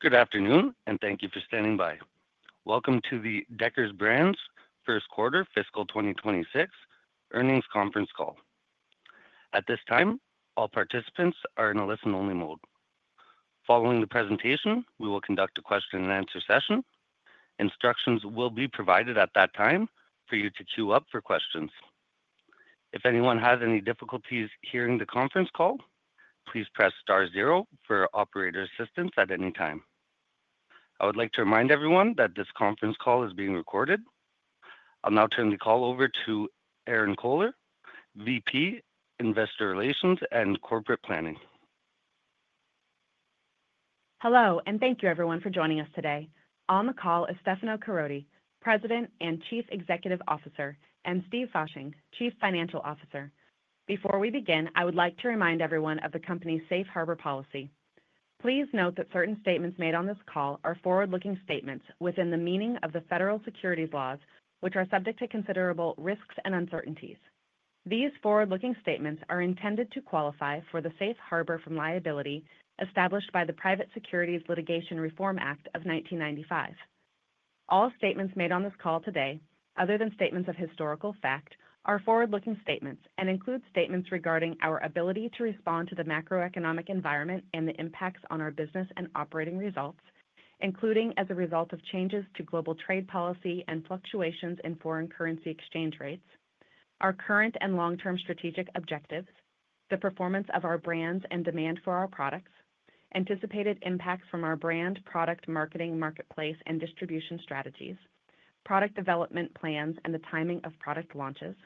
Good afternoon, and thank you for standing by. Welcome to the Deckers Brands first quarter fiscal 2026 earnings conference call. At this time, all participants are in a listen-only mode. Following the presentation, we will conduct a question-and-answer session. Instructions will be provided at that time for you to queue up for questions. If anyone has any difficulties hearing the conference call, please press star zero for operator assistance at any time. I would like to remind everyone that this conference call is being recorded. I'll now turn the call over to Erinn Kohler, VP, Investor Relations and Corporate Planning. Hello, and thank you, everyone, for joining us today. On the call is Stefano Caroti, President and Chief Executive Officer, and Steve Fasching, Chief Financial Officer. Before we begin, I would like to remind everyone of the company's safe harbor policy. Please note that certain statements made on this call are forward-looking statements within the meaning of the federal securities laws, which are subject to considerable risks and uncertainties. These forward-looking statements are intended to qualify for the safe harbor from liability established by the Private Securities Litigation Reform Act of 1995. All statements made on this call today, other than statements of historical fact, are forward-looking statements and include statements regarding our ability to respond to the macroeconomic environment and the impacts on our business and operating results, including as a result of changes to global trade policy and fluctuations in foreign currency exchange rates, our current and long-term strategic objectives, the performance of our brands and demand for our products, anticipated impacts from our brand, product, marketing, marketplace, and distribution strategies, product development plans and the timing of product launches,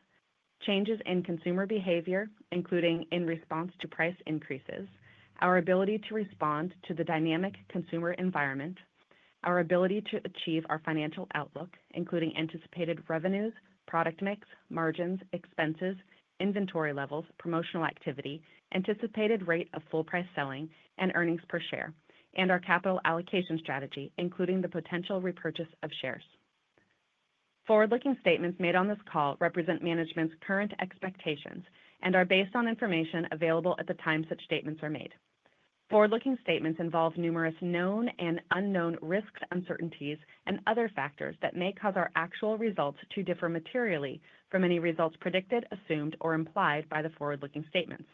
changes in consumer behavior, including in response to price increases, our ability to respond to the dynamic consumer environment, our ability to achieve our financial outlook, including anticipated revenues, product mix, margins, expenses, inventory levels, promotional activity, anticipated rate of full-price selling and earnings per share, and our capital allocation strategy, including the potential repurchase of shares. Forward-looking statements made on this call represent management's current expectations and are based on information available at the time such statements are made. Forward-looking statements involve numerous known and unknown risks, uncertainties, and other factors that may cause our actual results to differ materially from any results predicted, assumed, or implied by the forward-looking statements.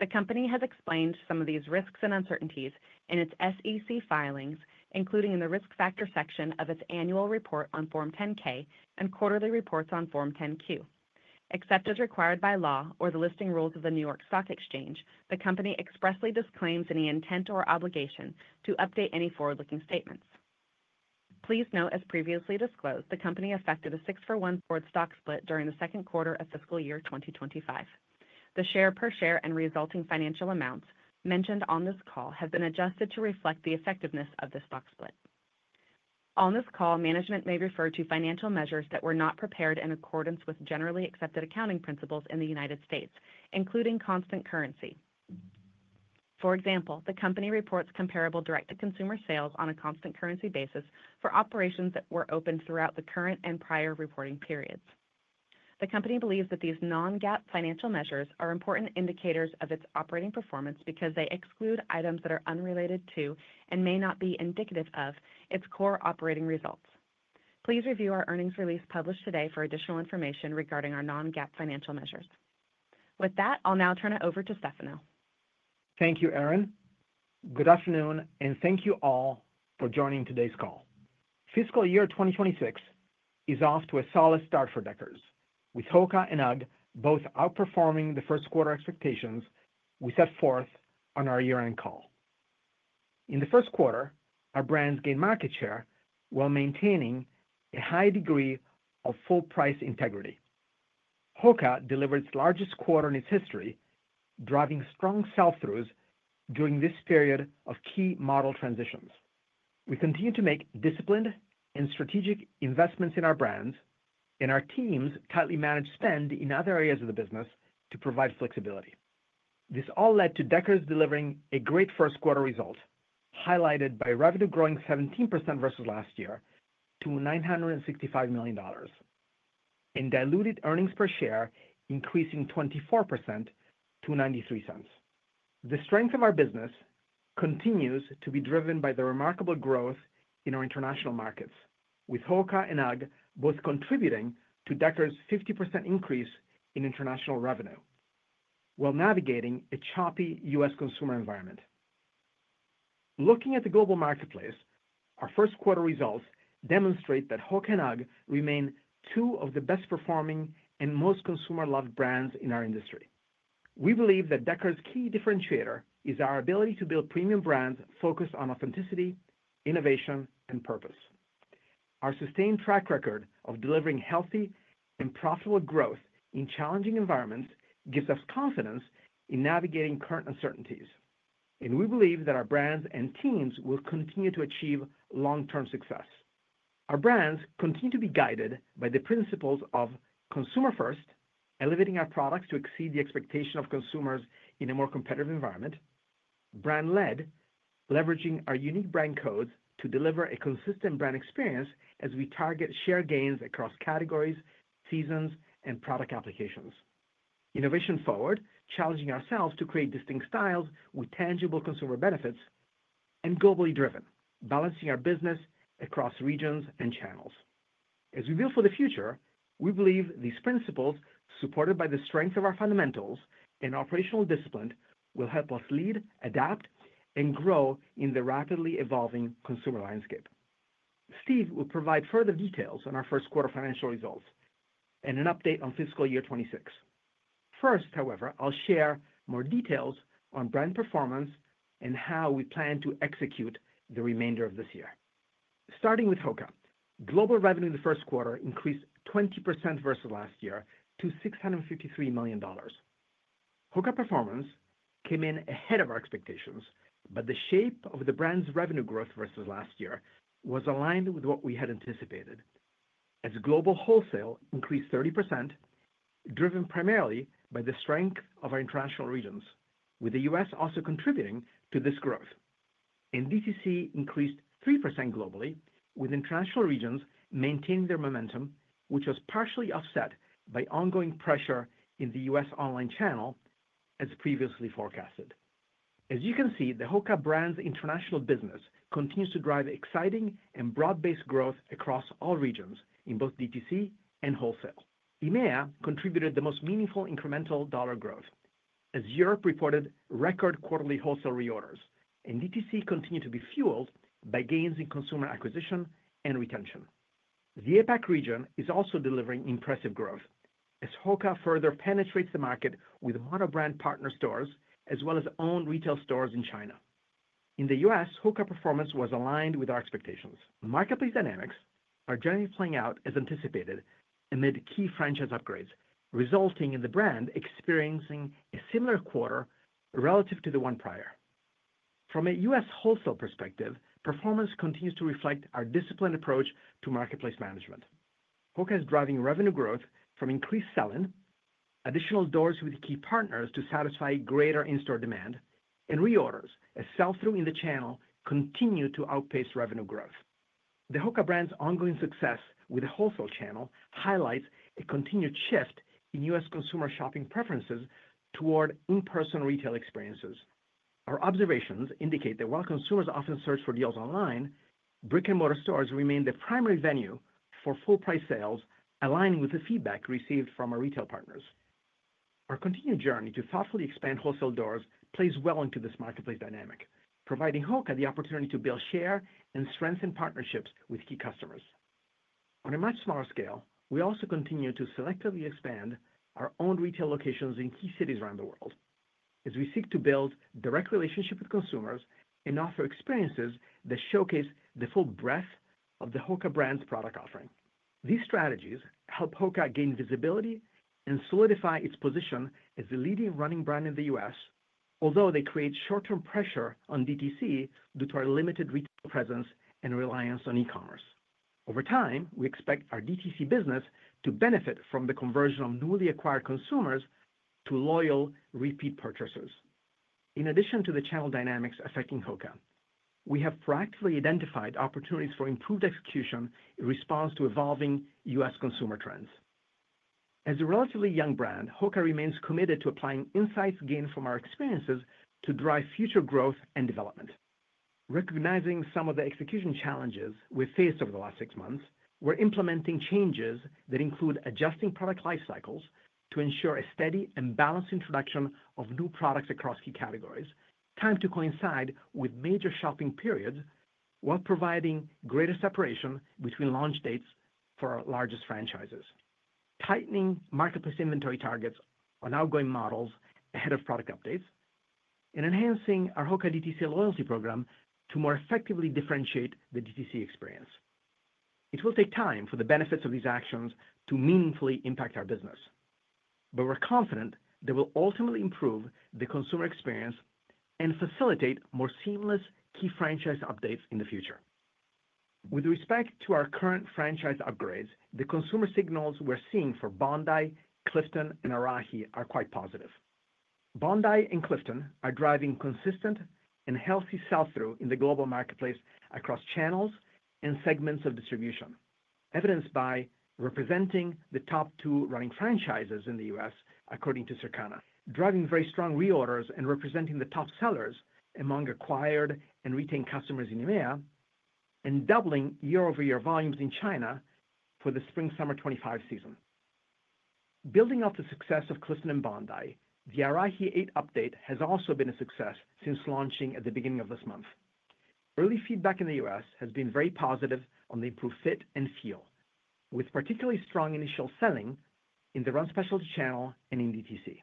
The company has explained some of these risks and uncertainties in its SEC filings, including in the risk factor section of its annual report on Form 10-K and quarterly reports on Form 10-Q. Except as required by law or the listing rules of the New York Stock Exchange, the company expressly disclaims any intent or obligation to update any forward-looking statements. Please note, as previously disclosed, the company affected a 641 forward stock split during the second quarter of fiscal year 2025. The share per share and resulting financial amounts mentioned on this call have been adjusted to reflect the effectiveness of this stock split. On this call, management may refer to financial measures that were not prepared in accordance with generally accepted accounting principles in the United States, including constant currency. For example, the company reports comparable direct-to-consumer sales on a constant currency basis for operations that were open throughout the current and prior reporting periods. The company believes that these non-GAAP financial measures are important indicators of its operating performance because they exclude items that are unrelated to and may not be indicative of its core operating results. Please review our earnings release published today for additional information regarding our non-GAAP financial measures. With that, I'll now turn it over to Stefano. Thank you, Erinn. Good afternoon, and thank you all for joining today's call. Fiscal year 2026 is off to a solid start for Deckers. With HOKA and UGG both outperforming the first quarter expectations, we set forth on our year-end call. In the first quarter, our brands gained market share while maintaining a high degree of full-price integrity. HOKA delivered its largest quarter in its history, driving strong sell-throughs during this period of key model transitions. We continue to make disciplined and strategic investments in our brands and our teams' tightly managed spend in other areas of the business to provide flexibility. This all led to Deckers delivering a great first-quarter result, highlighted by revenue growing 17% versus last year to $965 million. Diluted earnings per share increased 24% to $0.93. The strength of our business continues to be driven by the remarkable growth in our international markets, with HOKA and UGG both contributing to Deckers' 50% increase in international revenue while navigating a choppy U.S. consumer environment. Looking at the global marketplace, our first-quarter results demonstrate that HOKA and UGG remain two of the best-performing and most consumer-loved brands in our industry. We believe that Deckers' key differentiator is our ability to build premium brands focused on authenticity, innovation, and purpose. Our sustained track record of delivering healthy and profitable growth in challenging environments gives us confidence in navigating current uncertainties. We believe that our brands and teams will continue to achieve long-term success. Our brands continue to be guided by the principles of consumer-first, elevating our products to exceed the expectation of consumers in a more competitive environment. Brand-led, leveraging our unique brand codes to deliver a consistent brand experience as we target share gains across categories, seasons, and product applications. Innovation-forward, challenging ourselves to create distinct styles with tangible consumer benefits and globally driven, balancing our business across regions and channels. As we build for the future, we believe these principles, supported by the strength of our fundamentals and operational discipline, will help us lead, adapt, and grow in the rapidly evolving consumer landscape. Steve will provide further details on our first-quarter financial results and an update on fiscal year 2026. First, however, I'll share more details on brand performance and how we plan to execute the remainder of this year. Starting with HOKA, global revenue in the first quarter increased 20% versus last year to $653 million. HOKA performance came in ahead of our expectations, but the shape of the brand's revenue growth versus last year was aligned with what we had anticipated. As global wholesale increased 30%, driven primarily by the strength of our international regions, with the U.S. also contributing to this growth. DTC increased 3% globally, with international regions maintaining their momentum, which was partially offset by ongoing pressure in the U.S. online channel as previously forecasted. As you can see, the HOKA brand's international business continues to drive exciting and broad-based growth across all regions in both DTC and wholesale. EMEA contributed the most meaningful incremental dollar growth, as Europe reported record quarterly wholesale reorders, and DTC continued to be fueled by gains in consumer acquisition and retention. The APAC region is also delivering impressive growth as HOKA further penetrates the market with monobrand partner stores as well as owned retail stores in China. In the U.S., HOKA performance was aligned with our expectations. Marketplace dynamics are generally playing out as anticipated amid key franchise upgrades, resulting in the brand experiencing a similar quarter relative to the one prior. From a U.S. wholesale perspective, performance continues to reflect our disciplined approach to marketplace management. HOKA is driving revenue growth from increased sell-in, additional doors with key partners to satisfy greater in-store demand, and reorders as sell-through in the channel continue to outpace revenue growth. The HOKA brand's ongoing success with the wholesale channel highlights a continued shift in U.S. consumer shopping preferences toward in-person retail experiences. Our observations indicate that while consumers often search for deals online, brick-and-mortar stores remain the primary venue for full-price sales, aligning with the feedback received from our retail partners. Our continued journey to thoughtfully expand wholesale doors plays well into this marketplace dynamic, providing HOKA the opportunity to build share and strengthen partnerships with key customers. On a much smaller scale, we also continue to selectively expand our own retail locations in key cities around the world as we seek to build direct relationships with consumers and offer experiences that showcase the full breadth of the HOKA brand's product offering. These strategies help HOKA gain visibility and solidify its position as the leading running brand in the U.S., although they create short-term pressure on DTC due to our limited retail presence and reliance on e-commerce. Over time, we expect our DTC business to benefit from the conversion of newly acquired consumers to loyal repeat purchasers. In addition to the channel dynamics affecting HOKA, we have proactively identified opportunities for improved execution in response to evolving U.S. consumer trends. As a relatively young brand, HOKA remains committed to applying insights gained from our experiences to drive future growth and development. Recognizing some of the execution challenges we've faced over the last six months, we're implementing changes that include adjusting product life cycles to ensure a steady and balanced introduction of new products across key categories, timed to coincide with major shopping periods while providing greater separation between launch dates for our largest franchises, tightening marketplace inventory targets on outgoing models ahead of product updates, and enhancing our HOKA DTC loyalty program to more effectively differentiate the DTC experience. It will take time for the benefits of these actions to meaningfully impact our business. We are confident they will ultimately improve the consumer experience and facilitate more seamless key franchise updates in the future. With respect to our current franchise upgrades, the consumer signals we're seeing for Bondi, Clifton, and Arahi are quite positive. Bondi and Clifton are driving consistent and healthy sell-through in the global marketplace across channels and segments of distribution, evidenced by representing the top two running franchises in the U.S., according to Circana, driving very strong reorders and representing the top sellers among acquired and retained customers in EMEA and doubling year-over-year volumes in China for the spring-summer 2025 season. Building off the success of Clifton and Bondi, the Arahi 8 update has also been a success since launching at the beginning of this month. Early feedback in the U.S. has been very positive on the improved fit and feel, with particularly strong initial selling in the run specialty channel and in DTC.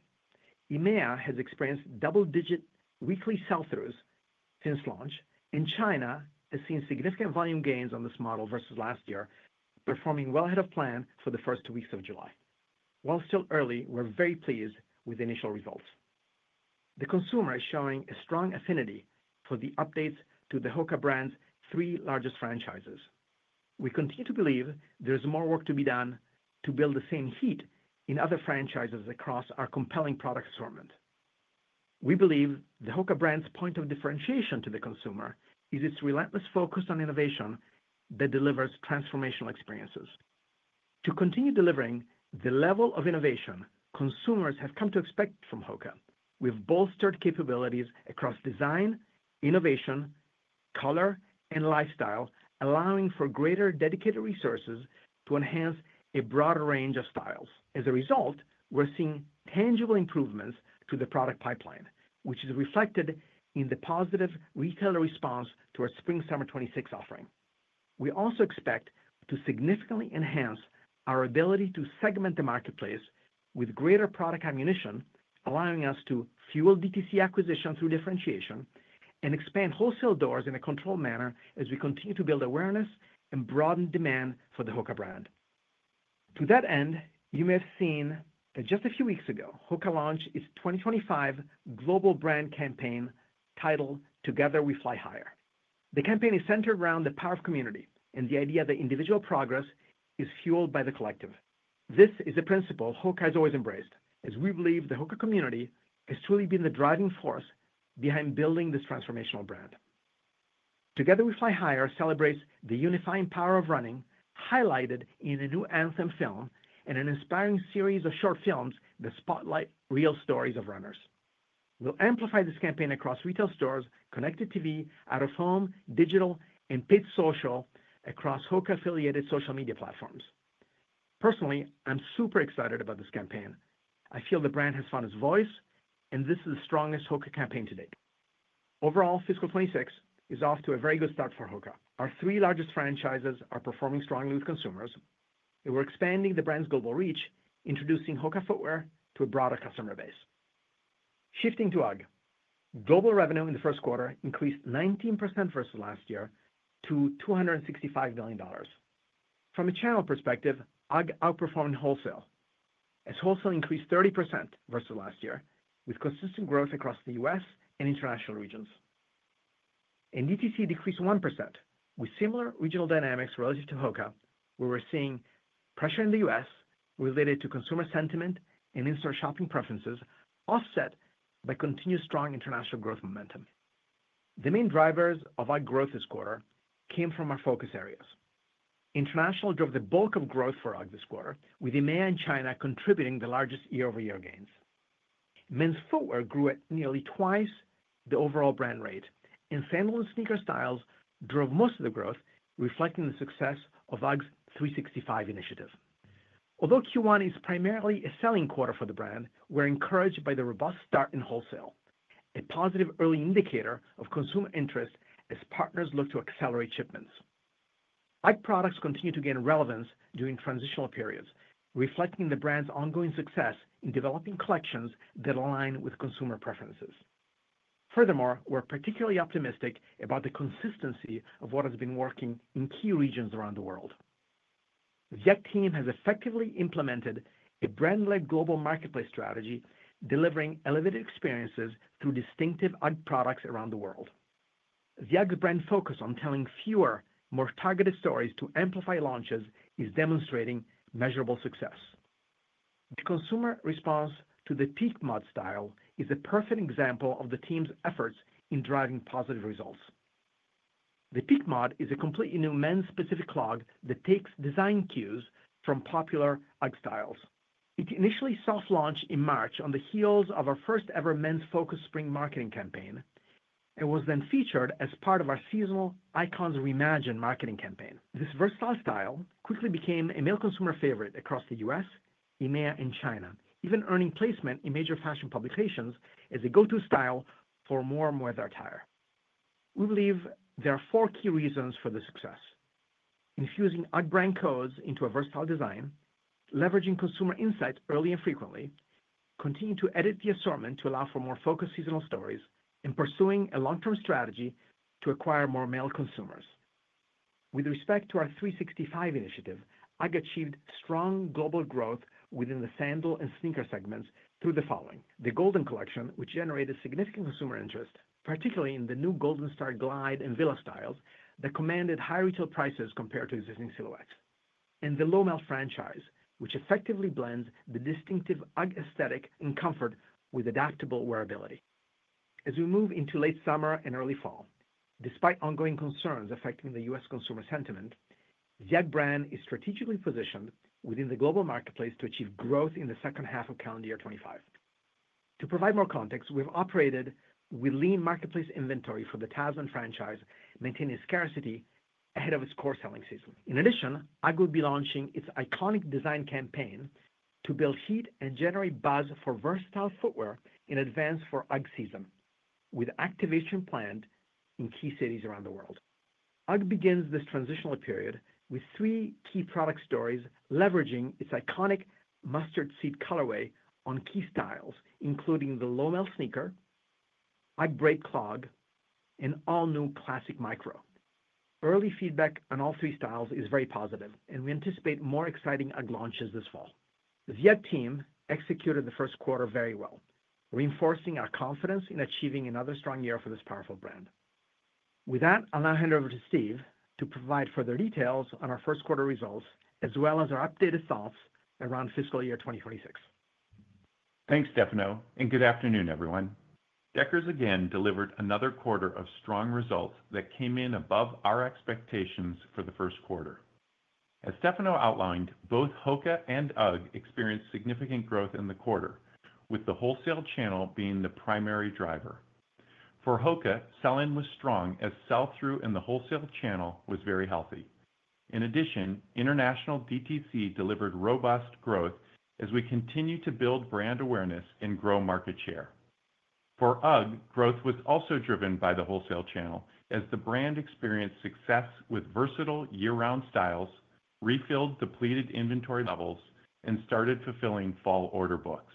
EMEA has experienced double-digit weekly sell-throughs since launch, and China has seen significant volume gains on this model versus last year, performing well ahead of plan for the first two weeks of July. While still early, we're very pleased with the initial results. The consumer is showing a strong affinity for the updates to the HOKA brand's three largest franchises. We continue to believe there is more work to be done to build the same heat in other franchises across our compelling product assortment. We believe the HOKA brand's point of differentiation to the consumer is its relentless focus on innovation that delivers transformational experiences. To continue delivering the level of innovation consumers have come to expect from HOKA, we've bolstered capabilities across design, innovation, color, and lifestyle, allowing for greater dedicated resources to enhance a broader range of styles. As a result, we're seeing tangible improvements to the product pipeline, which is reflected in the positive retailer response to our spring-summer 2026 offering. We also expect to significantly enhance our ability to segment the marketplace with greater product ammunition, allowing us to fuel DTC acquisition through differentiation and expand wholesale doors in a controlled manner as we continue to build awareness and broaden demand for the HOKA brand. To that end, you may have seen that just a few weeks ago, HOKA launched its 2025 global brand campaign titled "Together We Fly Higher." The campaign is centered around the power of community and the idea that individual progress is fueled by the collective. This is a principle HOKA has always embraced, as we believe the HOKA community has truly been the driving force behind building this transformational brand. "Together We Fly Higher" celebrates the unifying power of running, highlighted in a new anthem film and an inspiring series of short films that spotlight real stories of runners. We'll amplify this campaign across retail stores, connected TV, out of home, digital, and paid social across HOKA-affiliated social media platforms. Personally, I'm super excited about this campaign. I feel the brand has found its voice, and this is the strongest HOKA campaign to date. Overall, fiscal 2026 is off to a very good start for HOKA. Our three largest franchises are performing strongly with consumers, and we're expanding the brand's global reach, introducing HOKA footwear to a broader customer base. Shifting to UGG, global revenue in the first quarter increased 19% versus last year to $265 million. From a channel perspective, UGG outperformed wholesale as wholesale increased 30% versus last year, with consistent growth across the U.S. and international regions. DTC decreased 1% with similar regional dynamics relative to HOKA, where we're seeing pressure in the U.S. related to consumer sentiment and in-store shopping preferences offset by continued strong international growth momentum. The main drivers of UGG growth this quarter came from our focus areas. International drove the bulk of growth for UGG this quarter, with EMEA and China contributing the largest year-over-year gains. Men's footwear grew at nearly twice the overall brand rate, and Sandal & Sneaker Styles drove most of the growth, reflecting the success of UGG's 365 initiative. Although Q1 is primarily a selling quarter for the brand, we're encouraged by the robust start in wholesale, a positive early indicator of consumer interest as partners look to accelerate shipments. UGG products continue to gain relevance during transitional periods, reflecting the brand's ongoing success in developing collections that align with consumer preferences. Furthermore, we're particularly optimistic about the consistency of what has been working in key regions around the world. The UGG team has effectively implemented a brand-led global marketplace strategy, delivering elevated experiences through distinctive UGG products around the world. The UGG brand focus on telling fewer, more targeted stories to amplify launches is demonstrating measurable success. The consumer response to the Peak Mod style is a perfect example of the team's efforts in driving positive results. The Peak Mod is a completely new men's-specific clog that takes design cues from popular UGG styles. It initially saw launch in March on the heels of our first-ever men's-focused spring marketing campaign and was then featured as part of our seasonal Icons Reimagined marketing campaign. This versatile style quickly became a male consumer favorite across the U.S., EMEA, and China, even earning placement in major fashion publications as a go-to style for more and more of their attire. We believe there are four key reasons for the success. Infusing UGG brand codes into a versatile design, leveraging consumer insights early and frequently, continuing to edit the assortment to allow for more focused seasonal stories, and pursuing a long-term strategy to acquire more male consumers. With respect to our 365 initiative, UGG achieved strong global growth within the Sandal & Sneaker segments through the following: the Golden Collection, which generated significant consumer interest, particularly in the new Goldenstar Glide and Villa styles that commanded high retail prices compared to existing silhouettes, and the Low Melt franchise, which effectively blends the distinctive UGG aesthetic and comfort with adaptable wearability. As we move into late summer and early fall, despite ongoing concerns affecting the U.S. consumer sentiment, the UGG brand is strategically positioned within the global marketplace to achieve growth in the second half of calendar year 2025. To provide more context, we've operated with lean marketplace inventory for the Tasman franchise, maintaining scarcity ahead of its core selling season. In addition, UGG will be launching its iconic design campaign to build heat and generate buzz for versatile footwear in advance for UGG season, with activation planned in key cities around the world. UGG begins this transitional period with three key product stories leveraging its iconic mustard seed colorway on key styles, including the Lowmel Sneaker, UGG Braid Clog, and all-new Classic Micro. Early feedback on all three styles is very positive, and we anticipate more exciting UGG launches this fall. The UGG team executed the first quarter very well, reinforcing our confidence in achieving another strong year for this powerful brand. With that, I'll now hand over to Steve to provide further details on our first quarter results as well as our updated thoughts around fiscal year 2026. Thanks, Stefano, and good afternoon, everyone. Deckers again delivered another quarter of strong results that came in above our expectations for the first quarter. As Stefano outlined, both HOKA and UGG experienced significant growth in the quarter, with the wholesale channel being the primary driver. For HOKA, sell-in was strong as sell-through in the wholesale channel was very healthy. In addition, international direct-to-consumer delivered robust growth as we continue to build brand awareness and grow market share. For UGG, growth was also driven by the wholesale channel as the brand experienced success with versatile year-round styles, refilled depleted inventory levels, and started fulfilling fall order books.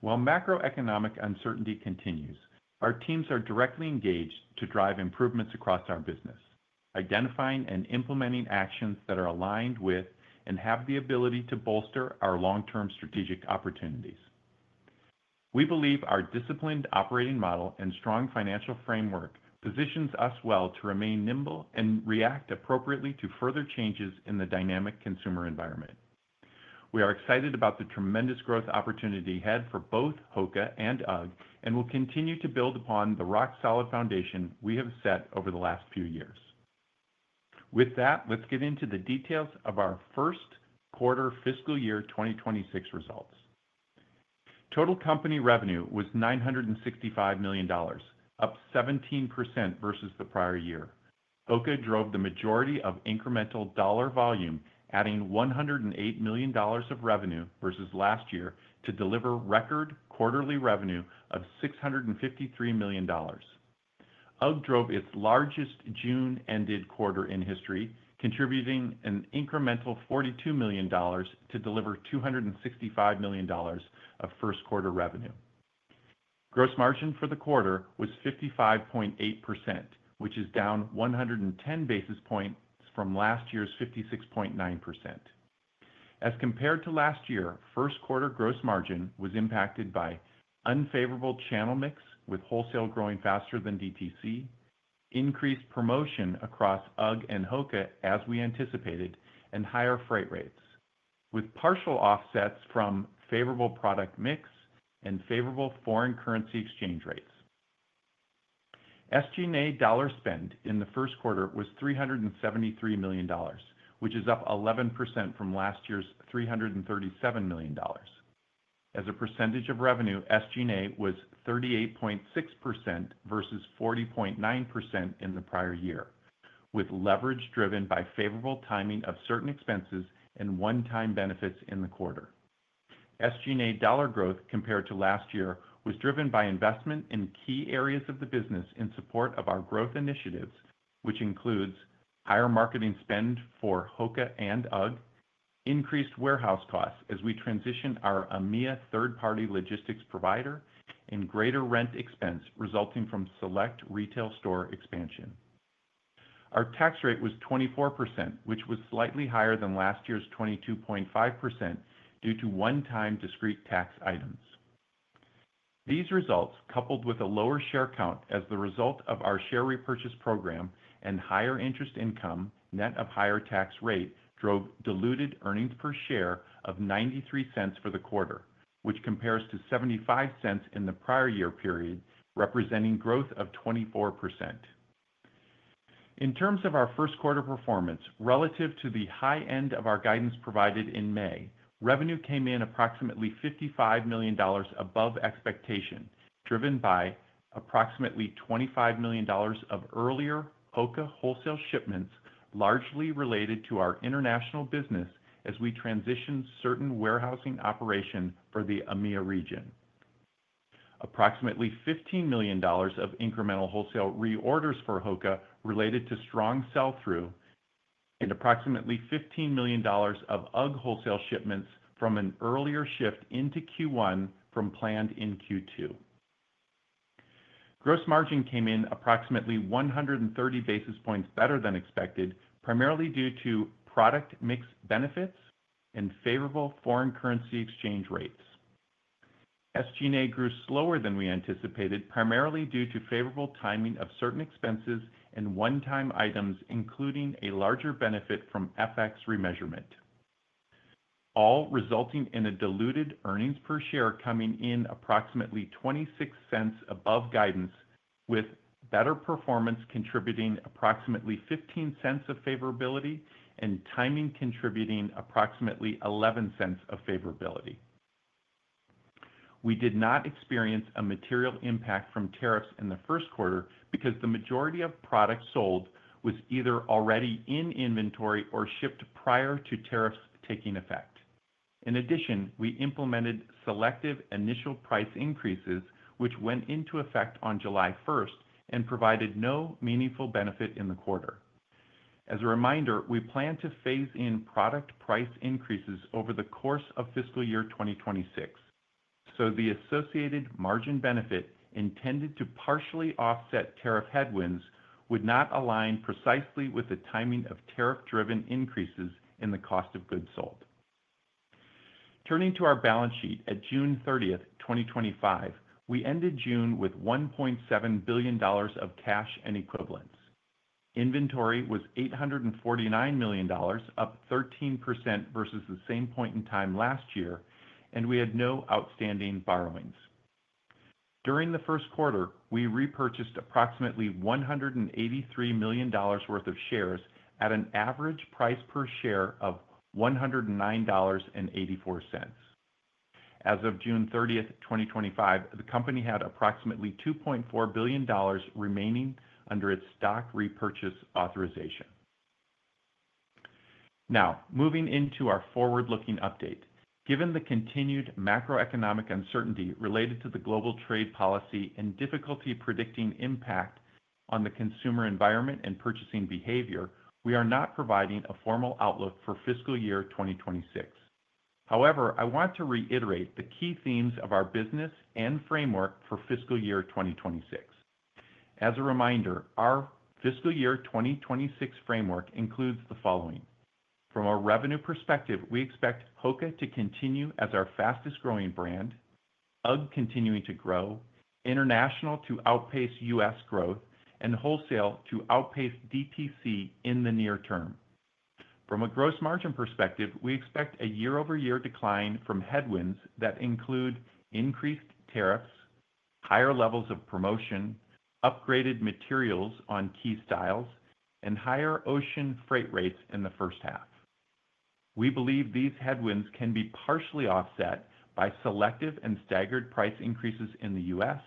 While macroeconomic uncertainty continues, our teams are directly engaged to drive improvements across our business, identifying and implementing actions that are aligned with and have the ability to bolster our long-term strategic opportunities. We believe our disciplined operating model and strong financial framework positions us well to remain nimble and react appropriately to further changes in the dynamic consumer environment. We are excited about the tremendous growth opportunity ahead for both HOKA and UGG and will continue to build upon the rock-solid foundation we have set over the last few years. With that, let's get into the details of our first quarter fiscal year 2026 results. Total company revenue was $965 million, up 17% versus the prior year. HOKA drove the majority of incremental dollar volume, adding $108 million of revenue versus last year to deliver record quarterly revenue of $653 million. UGG drove its largest June-ended quarter in history, contributing an incremental $42 million to deliver $265 million of first quarter revenue. Gross margin for the quarter was 55.8%, which is down 110 basis points from last year's 56.9%. As compared to last year, first quarter gross margin was impacted by unfavorable channel mix, with wholesale growing faster than DTC, increased promotion across UGG and HOKA as we anticipated, and higher freight rates, with partial offsets from favorable product mix and favorable foreign currency exchange rates. SG&A dollar spend in the first quarter was $373 million, which is up 11% from last year's $337 million. As a percentage of revenue, SG&A was 38.6% versus 40.9% in the prior year, with leverage driven by favorable timing of certain expenses and one-time benefits in the quarter. SG&A dollar growth compared to last year was driven by investment in key areas of the business in support of our growth initiatives, which includes higher marketing spend for HOKA and UGG, increased warehouse costs as we transitioned our EMEA third-party logistics provider, and greater rent expense resulting from select retail store expansion. Our tax rate was 24%, which was slightly higher than last year's 22.5% due to one-time discrete tax items. These results, coupled with a lower share count as the result of our share repurchase program and higher interest income, net of higher tax rate, drove diluted earnings per share of $0.93 for the quarter, which compares to $0.75 in the prior year period, representing growth of 24%. In terms of our first quarter performance, relative to the high end of our guidance provided in May, revenue came in approximately $55 million above expectation, driven by approximately $25 million of earlier HOKA wholesale shipments largely related to our international business as we transitioned certain warehousing operation for the EMEA region. Approximately $15 million of incremental wholesale reorders for HOKA related to strong sell-through. And approximately $15 million of UGG wholesale shipments from an earlier shift into Q1 from planned in Q2. Gross margin came in approximately 130 basis points better than expected, primarily due to product mix benefits and favorable foreign currency exchange rates. SG&A grew slower than we anticipated, primarily due to favorable timing of certain expenses and one-time items, including a larger benefit from FX remeasurement. All resulting in a diluted earnings per share coming in approximately $0.26 above guidance, with better performance contributing approximately $0.15 of favorability and timing contributing approximately $0.11 of favorability. We did not experience a material impact from tariffs in the first quarter because the majority of products sold was either already in inventory or shipped prior to tariffs taking effect. In addition, we implemented selective initial price increases, which went into effect on July 1st and provided no meaningful benefit in the quarter. As a reminder, we plan to phase in product price increases over the course of fiscal year 2026. So the associated margin benefit intended to partially offset tariff headwinds would not align precisely with the timing of tariff-driven increases in the cost of goods sold. Turning to our balance sheet, at June 30th, 2025, we ended June with $1.7 billion of cash and equivalents. Inventory was $849 million, up 13% versus the same point in time last year, and we had no outstanding borrowings. During the first quarter, we repurchased approximately $183 million worth of shares at an average price per share of $109.84. As of June 30th, 2025, the company had approximately $2.4 billion remaining under its stock repurchase authorization. Now, moving into our forward-looking update, given the continued macroeconomic uncertainty related to the global trade policy and difficulty predicting impact on the consumer environment and purchasing behavior, we are not providing a formal outlook for fiscal year 2026. However, I want to reiterate the key themes of our business and framework for fiscal year 2026. As a reminder, our fiscal year 2026 framework includes the following. From a revenue perspective, we expect HOKA to continue as our fastest-growing brand, UGG continuing to grow. International to outpace U.S. growth, and wholesale to outpace DTC in the near term. From a gross margin perspective, we expect a year-over-year decline from headwinds that include increased tariffs, higher levels of promotion, upgraded materials on key styles, and higher ocean freight rates in the first half. We believe these headwinds can be partially offset by selective and staggered price increases in the U.S.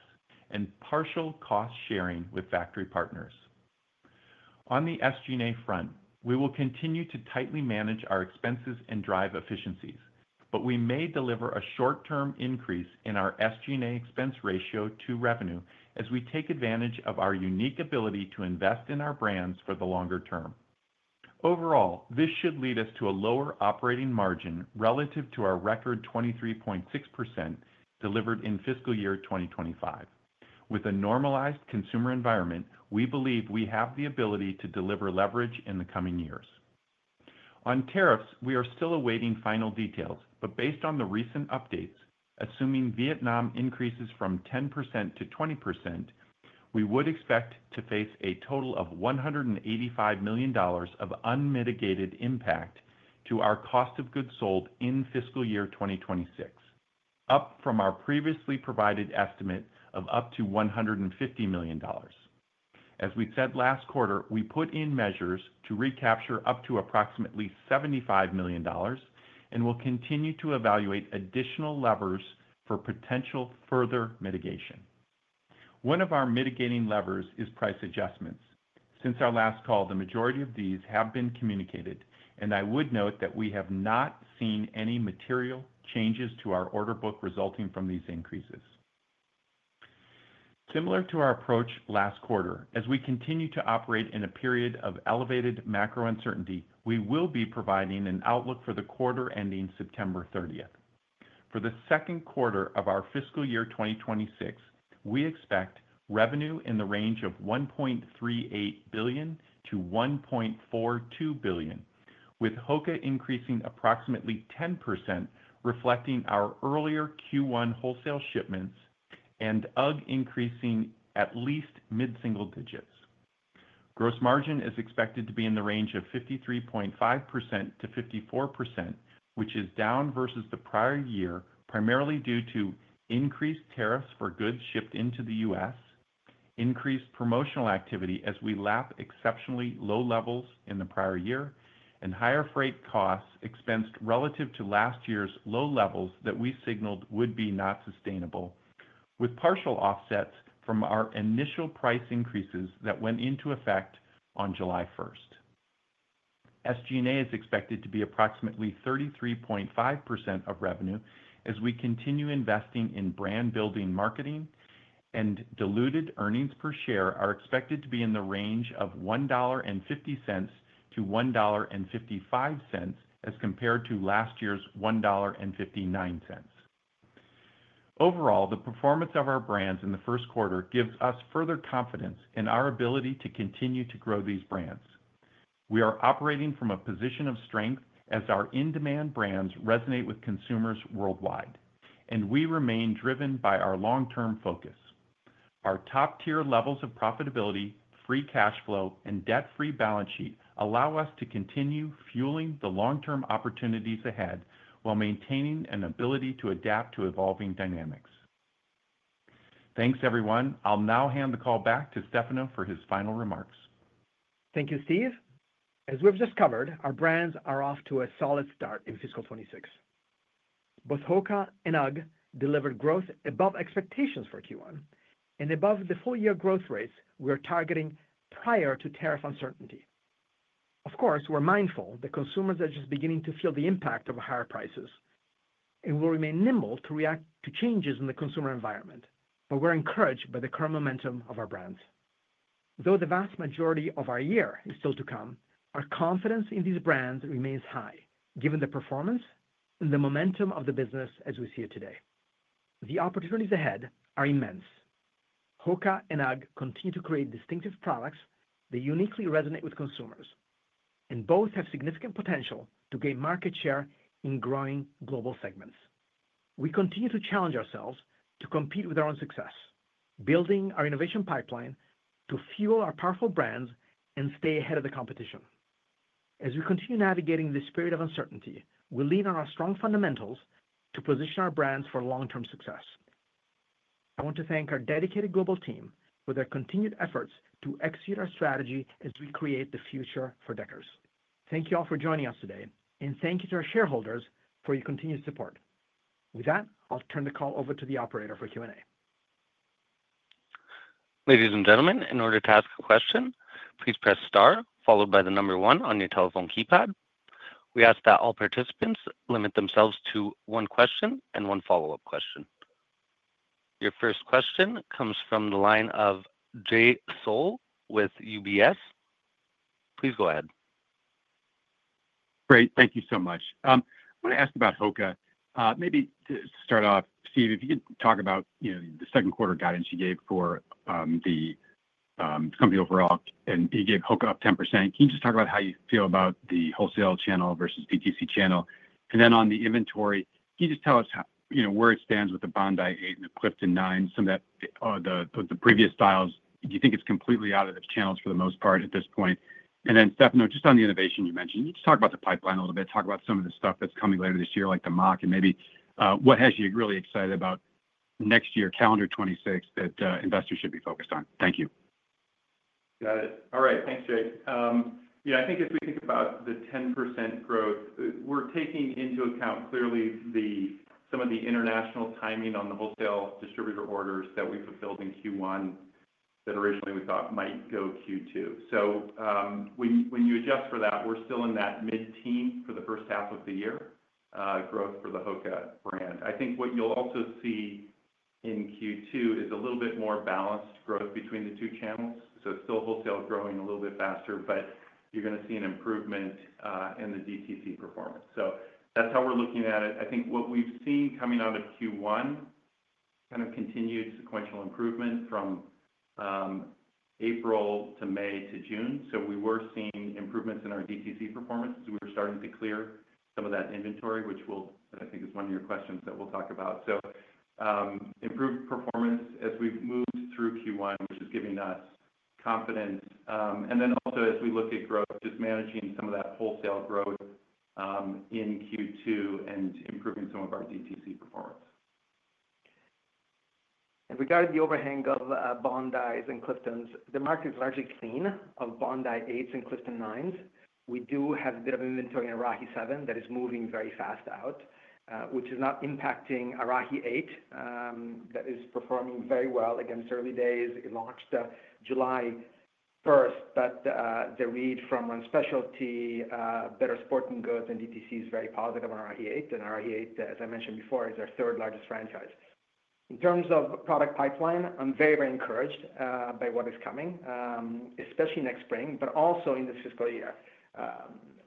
and partial cost sharing with factory partners. On the SG&A front, we will continue to tightly manage our expenses and drive efficiencies, but we may deliver a short-term increase in our SG&A expense ratio to revenue as we take advantage of our unique ability to invest in our brands for the longer term. Overall, this should lead us to a lower operating margin relative to our record 23.6% delivered in fiscal year 2025. With a normalized consumer environment, we believe we have the ability to deliver leverage in the coming years. On tariffs, we are still awaiting final details, but based on the recent updates, assuming Vietnam increases from 10% to 20%, we would expect to face a total of $185 million of unmitigated impact to our cost of goods sold in fiscal year 2026, up from our previously provided estimate of up to $150 million. As we said last quarter, we put in measures to recapture up to approximately $75 million. And we'll continue to evaluate additional levers for potential further mitigation. One of our mitigating levers is price adjustments. Since our last call, the majority of these have been communicated, and I would note that we have not seen any material changes to our order book resulting from these increases. Similar to our approach last quarter, as we continue to operate in a period of elevated macro uncertainty, we will be providing an outlook for the quarter ending September 30th. For the second quarter of our fiscal year 2026, we expect revenue in the range of $1.38 billion-$1.42 billion, with HOKA increasing approximately 10%, reflecting our earlier Q1 wholesale shipments and UGG increasing at least mid-single digits. Gross margin is expected to be in the range of 53.5%-54%, which is down versus the prior year, primarily due to increased tariffs for goods shipped into the U.S., increased promotional activity as we lap exceptionally low levels in the prior year, and higher freight costs expensed relative to last year's low levels that we signaled would be not sustainable, with partial offsets from our initial price increases that went into effect on July 1st. SG&A is expected to be approximately 33.5% of revenue as we continue investing in brand-building marketing, and diluted earnings per share are expected to be in the range of $1.50-$1.55 as compared to last year's $1.59. Overall, the performance of our brands in the first quarter gives us further confidence in our ability to continue to grow these brands. We are operating from a position of strength as our in-demand brands resonate with consumers worldwide, and we remain driven by our long-term focus. Our top-tier levels of profitability, free cash flow, and debt-free balance sheet allow us to continue fueling the long-term opportunities ahead while maintaining an ability to adapt to evolving dynamics. Thanks, everyone. I'll now hand the call back to Stefano for his final remarks. Thank you, Steve. As we've just covered, our brands are off to a solid start in fiscal 2026. Both HOKA and UGG delivered growth above expectations for Q1 and above the full-year growth rates we are targeting prior to tariff uncertainty. Of course, we're mindful that consumers are just beginning to feel the impact of higher prices, and we'll remain nimble to react to changes in the consumer environment, but we're encouraged by the current momentum of our brands. Though the vast majority of our year is still to come, our confidence in these brands remains high, given the performance and the momentum of the business as we see it today. The opportunities ahead are immense. HOKA and UGG continue to create distinctive products that uniquely resonate with consumers, and both have significant potential to gain market share in growing global segments. We continue to challenge ourselves to compete with our own success, building our innovation pipeline to fuel our powerful brands and stay ahead of the competition. As we continue navigating this period of uncertainty, we lean on our strong fundamentals to position our brands for long-term success. I want to thank our dedicated global team for their continued efforts to execute our strategy as we create the future for Deckers. Thank you all for joining us today, and thank you to our shareholders for your continued support. With that, I'll turn the call over to the operator for Q&A. Ladies and gentlemen, in order to ask a question, please press star followed by the number one on your telephone keypad. We ask that all participants limit themselves to one question and one follow-up question. Your first question comes from the line of Jay Sole with UBS. Please go ahead. Great. Thank you so much. I want to ask about HOKA. Maybe to start off, Steve, if you could talk about the second quarter guidance you gave for the company overall. And you gave HOKA up 10%. Can you just talk about how you feel about the wholesale channel versus DTC channel? And then on the inventory, can you just tell us where it stands with the Bondi 8 and the Clifton 9, some of the previous styles? Do you think it's completely out of the channels for the most part at this point? And then, Stefano, just on the innovation you mentioned, you just talk about the pipeline a little bit, talk about some of the stuff that's coming later this year, like the Mach, and maybe what has you really excited about next year, calendar 2026, that investors should be focused on? Thank you. Got it. All right. Thanks, Jay. I think if we think about the 10% growth, we're taking into account clearly some of the international timing on the wholesale distributor orders that we fulfilled in Q1 that originally we thought might go Q2. When you adjust for that, we're still in that mid-teens for the first half of the year growth for the HOKA brand. I think what you'll also see in Q2 is a little bit more balanced growth between the two channels. Still wholesale growing a little bit faster, but you're going to see an improvement in the DTC performance. That's how we're looking at it. I think what we've seen coming out of Q1, kind of continued sequential improvement from April to May to June. We were seeing improvements in our DTC performance as we were starting to clear some of that inventory, which I think is one of your questions that we'll talk about. Improved performance as we've moved through Q1, which is giving us confidence. Also, as we look at growth, just managing some of that wholesale growth in Q2 and improving some of our DTC performance. Regarding the overhang of Bondi's and Clifton's, the market is largely clean of Bondi 8s and Clifton 9s. We do have a bit of inventory in Arahi 7 that is moving very fast out, which is not impacting Arahi 8. That is performing very well against early days. It launched July 1st, but the read from one specialty, better sporting goods and DTC is very positive on Arahi 8. Arahi 8, as I mentioned before, is our third largest franchise. In terms of product pipeline, I'm very, very encouraged by what is coming, especially next spring, but also in this fiscal year.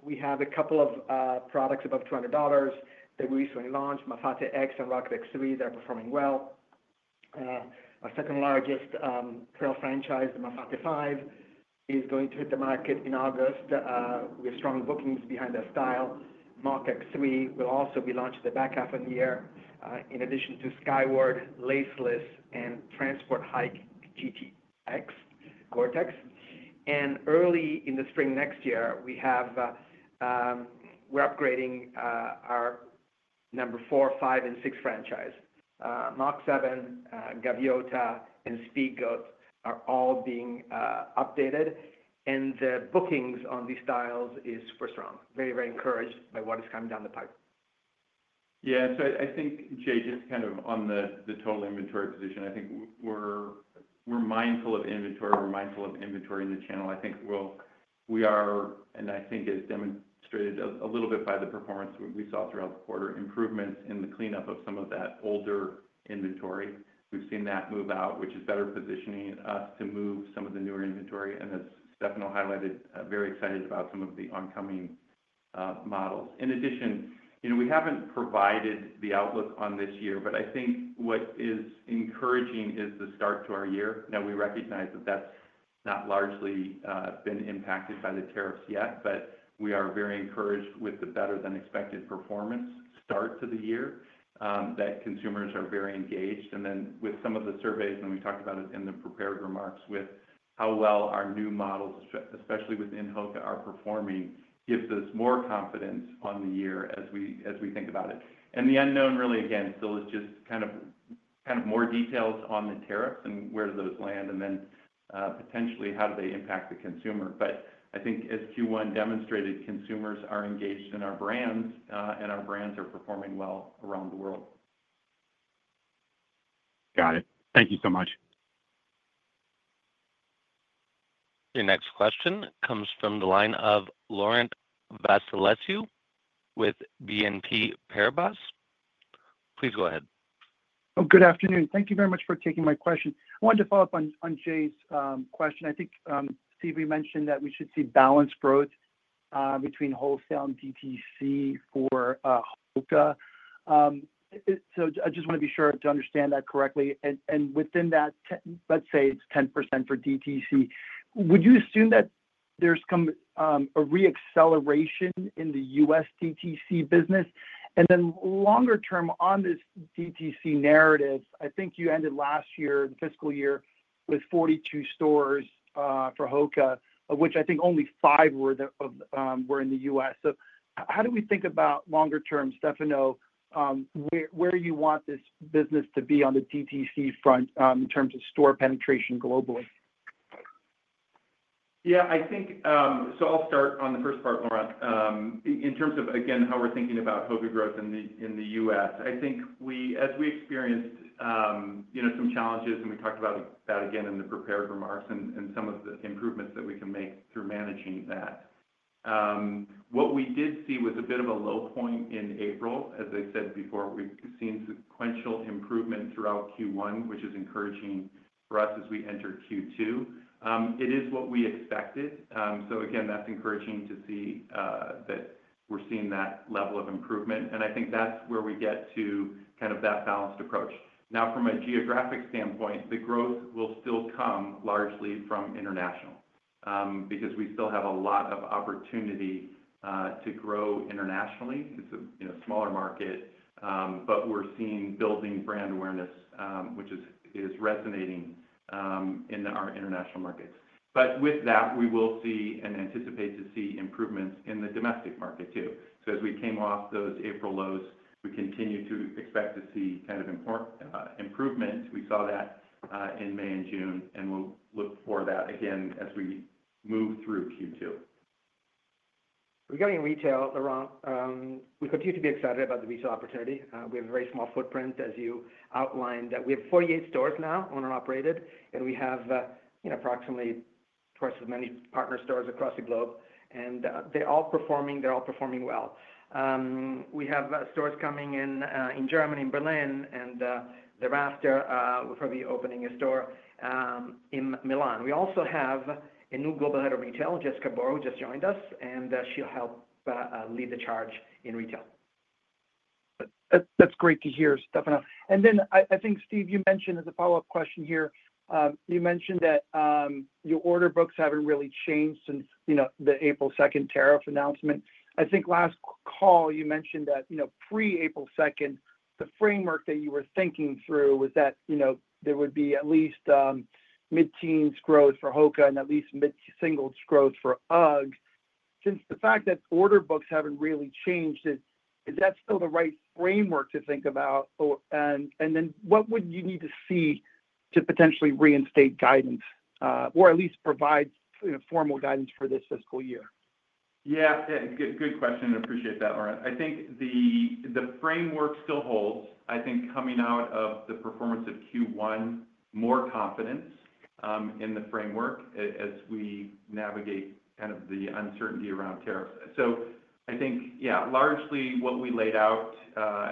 We have a couple of products above $200 that we recently launched, Mafate X and Rocket X 3, that are performing well. Our second largest parallel franchise, the Mafate 5, is going to hit the market in August. We have strong bookings behind our style. Mach X 3 will also be launched in the back half of the year, in addition to Skyward, Laceless, and Transport Hike GTX GORE-TEX. Early in the spring next year, we're upgrading our number four, five, and six franchise. Mach 7, Gaviota, and Speedgoat are all being updated. The bookings on these styles are super strong. Very, very encouraged by what is coming down the pipe. Yeah. I think, Jay, just kind of on the total inventory position, I think we're mindful of inventory. We're mindful of inventory in the channel. I think we are, and I think as demonstrated a little bit by the performance we saw throughout the quarter, improvements in the cleanup of some of that older inventory. We've seen that move out, which is better positioning us to move some of the newer inventory. As Stefano highlighted, very excited about some of the oncoming models. In addition, we haven't provided the outlook on this year, but I think what is encouraging is the start to our year. We recognize that that's not largely been impacted by the tariffs yet, but we are very encouraged with the better-than-expected performance start to the year, that consumers are very engaged. With some of the surveys, and we talked about it in the prepared remarks, with how well our new models, especially within HOKA, are performing, gives us more confidence on the year as we think about it. The unknown really, again, still is just kind of more details on the tariffs and where do those land, and then potentially how do they impact the consumer. I think as Q1 demonstrated, consumers are engaged in our brands, and our brands are performing well around the world. Got it. Thank you so much. Your next question comes from the line of Laurent Vasilescu with BNP Paribas. Please go ahead. Good afternoon. Thank you very much for taking my question. I wanted to follow up on Jay's question. I think, Steve, we mentioned that we should see balanced growth between wholesale and DTC for HOKA. I just want to be sure to understand that correctly. Within that, let's say it's 10% for DTC. Would you assume that there's a re-acceleration in the U.S. DTC business? Longer term on this DTC narrative, I think you ended last year, the fiscal year, with 42 stores for HOKA, of which I think only five were in the U.S. How do we think about longer term, Stefano, where you want this business to be on the DTC front in terms of store penetration globally? Yeah. I'll start on the first part, Laurent. In terms of, again, how we're thinking about HOKA growth in the U.S., I think as we experienced some challenges, and we talked about that again in the prepared remarks and some of the improvements that we can make through managing that. What we did see was a bit of a low point in April. As I said before, we've seen sequential improvement throughout Q1, which is encouraging for us as we enter Q2. It is what we expected. Again, that's encouraging to see that we're seeing that level of improvement. I think that's where we get to kind of that balanced approach. Now, from a geographic standpoint, the growth will still come largely from international. Because we still have a lot of opportunity to grow internationally. It's a smaller market, but we're seeing building brand awareness, which is resonating in our international markets. With that, we will see and anticipate to see improvements in the domestic market too. As we came off those April lows, we continue to expect to see kind of improvement. We saw that in May and June, and we'll look for that again as we move through Q2. Regarding retail, Laurent, we continue to be excited about the retail opportunity. We have a very small footprint, as you outlined, that we have 48 stores now owned and operated, and we have approximately twice as many partner stores across the globe. They're all performing. They're all performing well. We have stores coming in Germany, in Berlin, and thereafter, we're probably opening a store in Milan. We also have a new global head of retail, Jessica Boer, who just joined us, and she'll help lead the charge in retail. That's great to hear, Stefano. I think, Steve, you mentioned as a follow-up question here, you mentioned that your order books haven't really changed since the April 2nd tariff announcement. I think last call, you mentioned that pre-April 2nd, the framework that you were thinking through was that there would be at least mid-teens growth for HOKA and at least mid-singles growth for UGG. Since the fact that order books haven't really changed, is that still the right framework to think about? What would you need to see to potentially reinstate guidance, or at least provide formal guidance for this fiscal year? Yeah. Good question. Appreciate that, Laurent. I think the framework still holds. I think coming out of the performance of Q1, more confidence in the framework as we navigate kind of the uncertainty around tariffs. I think, yeah, largely what we laid out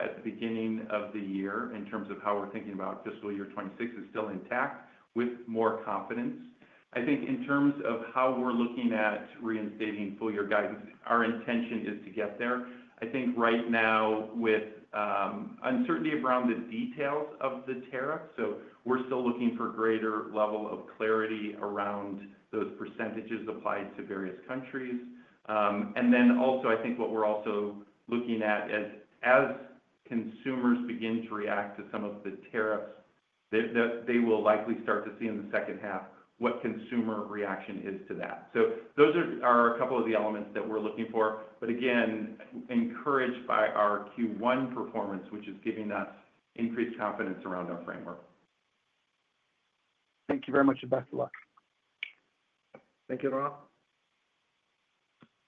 at the beginning of the year in terms of how we're thinking about fiscal year 2026 is still intact with more confidence. I think in terms of how we're looking at reinstating full-year guidance, our intention is to get there. I think right now with uncertainty around the details of the tariff, we're still looking for a greater level of clarity around those percentages applied to various countries. Also, I think what we're also looking at as consumers begin to react to some of the tariffs, they will likely start to see in the second half what consumer reaction is to that. So those are a couple of the elements that we're looking for. Again, encouraged by our Q1 performance, which is giving us increased confidence around our framework. Thank you very much and best of luck. Thank you, Laurent.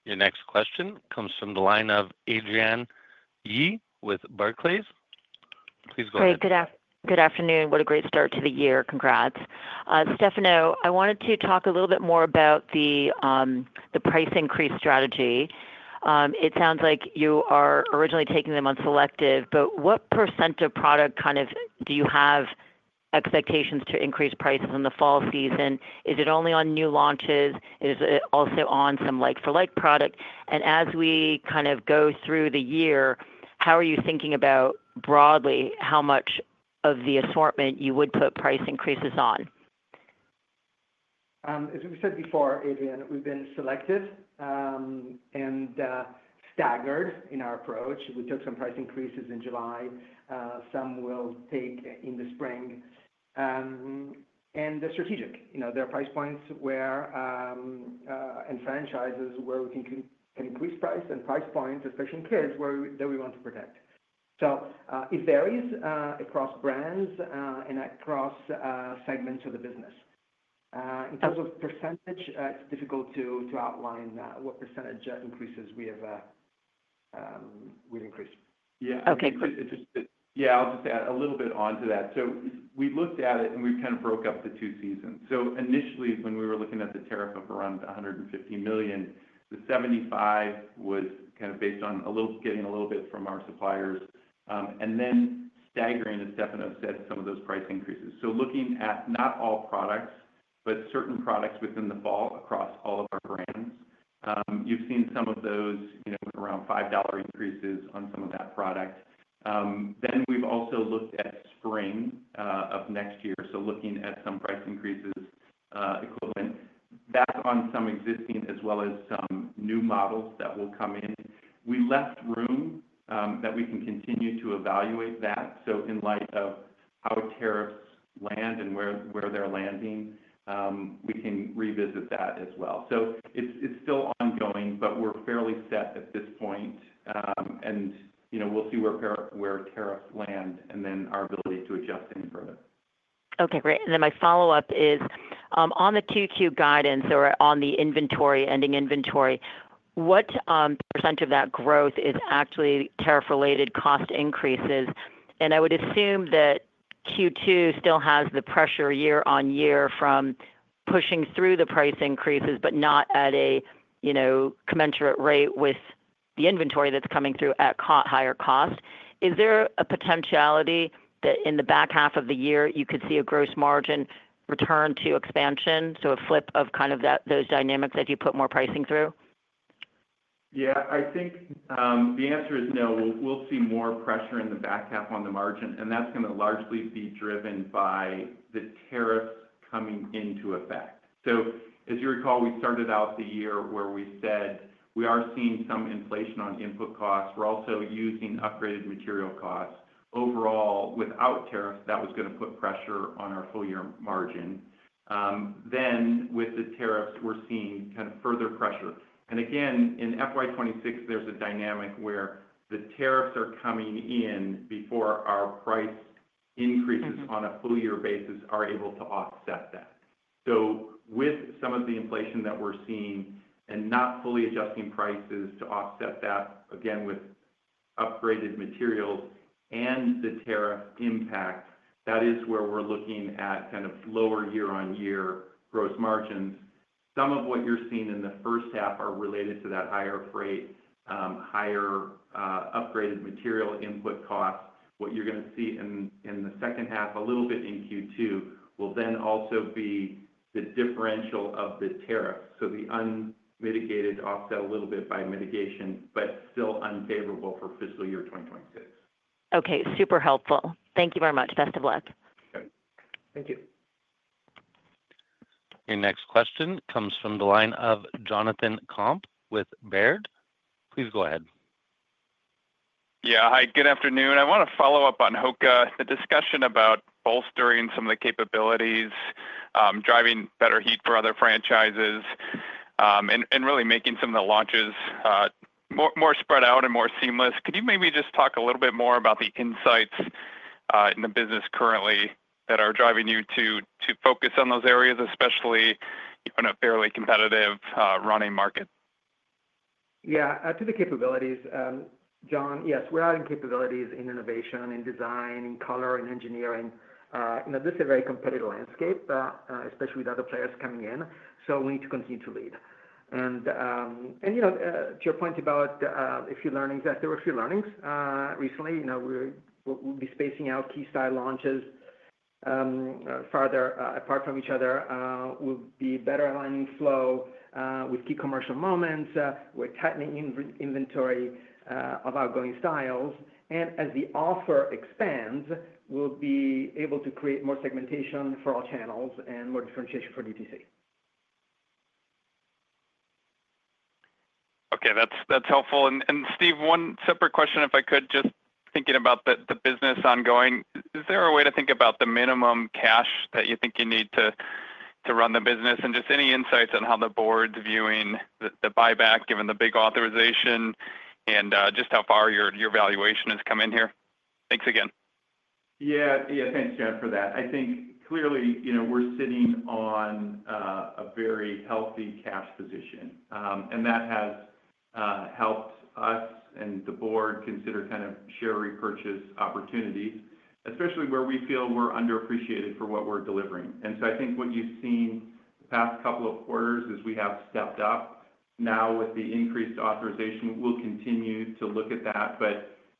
Your next question comes from the line of Adrian Yi with Barclays. Please go ahead. Hey, good afternoon. What a great start to the year. Congrats. Stefano, I wanted to talk a little bit more about the price increase strategy. It sounds like you are originally taking them on selective, but what percent of product kind of do you have expectations to increase prices in the fall season? Is it only on new launches? Is it also on some like-for-like product? As we kind of go through the year, how are you thinking about broadly how much of the assortment you would put price increases on? As we said before, Adrian, we've been selective and staggered in our approach. We took some price increases in July. Some we'll take in the spring. They're strategic. There are price points and franchises where we can increase price and price points, especially in kids, that we want to protect. It varies across brands and across segments of the business. In terms of percentage, it's difficult to outline what percentage increases we've increased. Yeah, I'll just add a little bit onto that. We looked at it, and we kind of broke up the two seasons. Initially, when we were looking at the tariff of around $150 million, the $75 million was kind of based on getting a little bit from our suppliers and then staggering, as Stefano said, some of those price increases. Looking at not all products, but certain products within the fall across all of our brands, you've seen some of those around $5 increases on some of that product. We've also looked at spring of next year, so looking at some price increases equivalent. That's on some existing as well as some new models that will come in. We left room that we can continue to evaluate that. In light of how tariffs land and where they're landing, we can revisit that as well. It's still ongoing, but we're fairly set at this point. We'll see where tariffs land and then our ability to adjust any further. Okay. Great. My follow-up is, on the Q2 guidance or on the ending inventory, what percentage of that growth is actually tariff-related cost increases? I would assume that Q2 still has the pressure year on year from pushing through the price increases, but not at a commensurate rate with the inventory that's coming through at higher cost. Is there a potentiality that in the back half of the year, you could see a gross margin return to expansion, so a flip of kind of those dynamics that you put more pricing through? Yeah. I think the answer is no. We'll see more pressure in the back half on the margin, and that's going to largely be driven by the tariffs coming into effect. As you recall, we started out the year where we said we are seeing some inflation on input costs. We're also using upgraded material costs. Overall, without tariffs, that was going to put pressure on our full-year margin. With the tariffs, we're seeing kind of further pressure. Again, in FY 2026, there's a dynamic where the tariffs are coming in before our price increases on a full-year basis are able to offset that. With some of the inflation that we're seeing and not fully adjusting prices to offset that, again, with upgraded materials and the tariff impact, that is where we're looking at kind of lower year on year gross margins. Some of what you're seeing in the first half are related to that higher freight, higher upgraded material input costs. What you're going to see in the second half, a little bit in Q2, will then also be the differential of the tariffs. The unmitigated offset a little bit by mitigation, but still unfavorable for fiscal year 2026. Okay. Super helpful. Thank you very much. Best of luck. Thank you. Your next question comes from the line of Jonathan Komp with Baird. Please go ahead. Yeah. Hi. Good afternoon. I want to follow up on HOKA, the discussion about bolstering some of the capabilities, driving better heat for other franchises, and really making some of the launches more spread out and more seamless. Could you maybe just talk a little bit more about the insights in the business currently that are driving you to focus on those areas, especially in a fairly competitive running market? Yeah. To the capabilities, Jon, yes, we're adding capabilities in innovation, in design, in color, in engineering. This is a very competitive landscape, especially with other players coming in. We need to continue to lead. To your point about a few learnings, there were a few learnings recently. We'll be spacing out key style launches farther apart from each other. We'll be better aligning flow with key commercial moments. We're tightening inventory of outgoing styles. As the offer expands, we'll be able to create more segmentation for all channels and more differentiation for DTC. Okay. That's helpful. And Steve, one separate question, if I could, just thinking about the business ongoing. Is there a way to think about the minimum cash that you think you need to run the business? And just any insights on how the board's viewing the buyback, given the big authorization, and just how far your valuation has come in here? Thanks again. Yeah. Thanks, Jon, for that. I think clearly we're sitting on a very healthy cash position. That has helped us and the board consider kind of share repurchase opportunities, especially where we feel we're underappreciated for what we're delivering. I think what you've seen the past couple of quarters is we have stepped up. Now, with the increased authorization, we'll continue to look at that.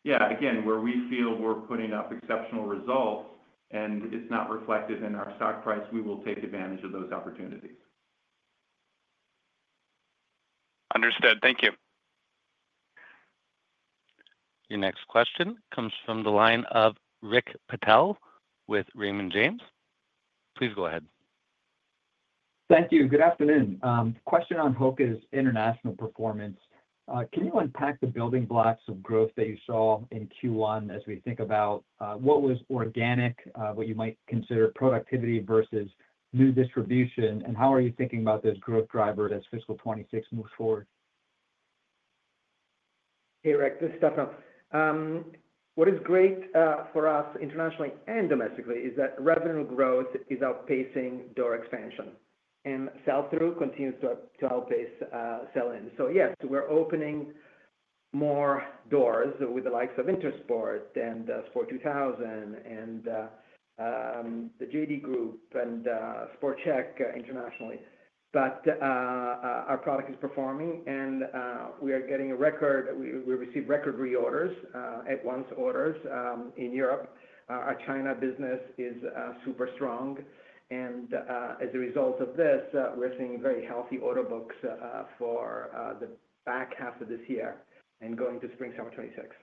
Yeah, again, where we feel we're putting up exceptional results and it's not reflected in our stock price, we will take advantage of those opportunities. Understood. Thank you. Your next question comes from the line of Rick Patel with Raymond James. Please go ahead. Thank you. Good afternoon. Question on HOKA's international performance. Can you unpack the building blocks of growth that you saw in Q1 as we think about what was organic, what you might consider productivity versus new distribution, and how are you thinking about those growth drivers as fiscal 2026 moves forward? Hey, Rick, this is Stefano. What is great for us internationally and domestically is that revenue growth is outpacing door expansion. Sell-through continues to outpace sell-in. Yes, we're opening more doors with the likes of Intersport and Sport 2000 and the JD Group and Sport Chek internationally. Our product is performing, and we are getting a record. We receive record reorders, at once orders in Europe. Our China business is super strong. As a result of this, we're seeing very healthy order books for the back half of this year and going to spring summer 2026.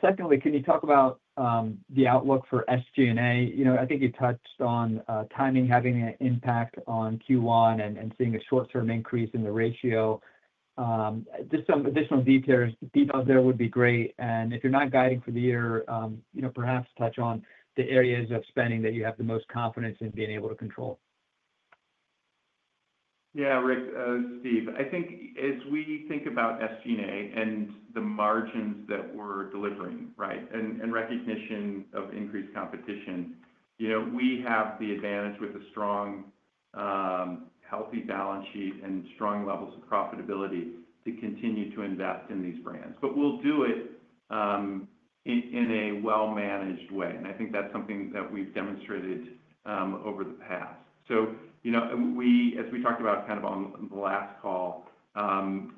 Secondly, can you talk about the outlook for SG&A? I think you touched on timing having an impact on Q1 and seeing a short-term increase in the ratio. Just some additional details there would be great. If you're not guiding for the year, perhaps touch on the areas of spending that you have the most confidence in being able to control. Yeah, Rick, Steve, I think as we think about SG&A and the margins that we're delivering, right, and recognition of increased competition. We have the advantage with a strong, healthy balance sheet and strong levels of profitability to continue to invest in these brands. We'll do it in a well-managed way. I think that's something that we've demonstrated over the past. As we talked about kind of on the last call,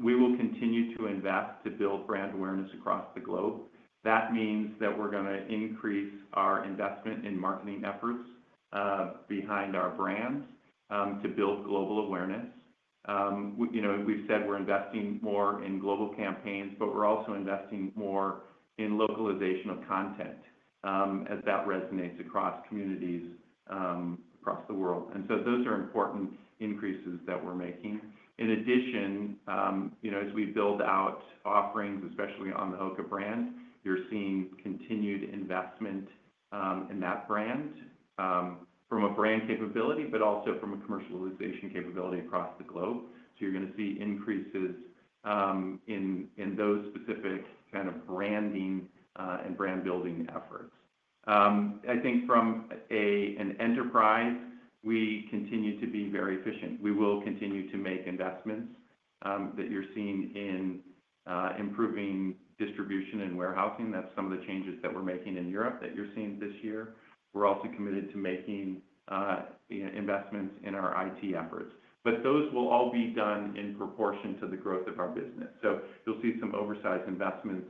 we will continue to invest to build brand awareness across the globe. That means that we're going to increase our investment in marketing efforts behind our brands to build global awareness. We've said we're investing more in global campaigns, but we're also investing more in localization of content as that resonates across communities across the world. Those are important increases that we're making. In addition, as we build out offerings, especially on the HOKA brand, you're seeing continued investment in that brand from a brand capability, but also from a commercialization capability across the globe. You're going to see increases in those specific kind of branding and brand-building efforts. I think from an enterprise, we continue to be very efficient. We will continue to make investments that you're seeing in improving distribution and warehousing. That's some of the changes that we're making in Europe that you're seeing this year. We're also committed to making investments in our IT efforts. But those will all be done in proportion to the growth of our business. You'll see some oversized investments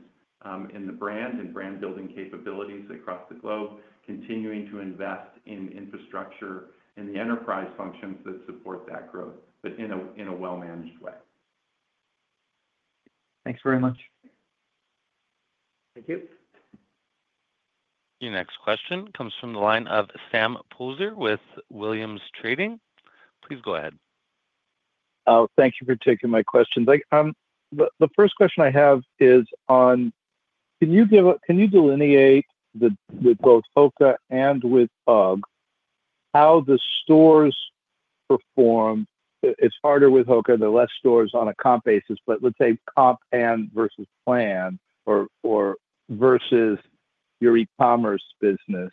in the brand and brand-building capabilities across the globe, continuing to invest in infrastructure and the enterprise functions that support that growth, but in a well-managed way. Thanks very much. Thank you. Your next question comes from the line of Sam Poser with Williams Trading. Please go ahead. Thank you for taking my questions. The first question I have is on. Can you delineate with both HOKA and with UGG how the stores perform? It's harder with HOKA, the less stores on a comp basis, but let's say comp and versus plan or versus your e-commerce business.